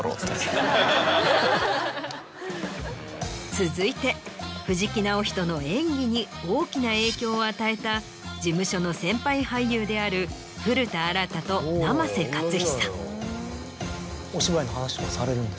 続いて藤木直人の演技に大きな影響を与えた事務所の先輩俳優である古田新太と生瀬勝久。